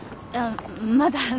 まだ。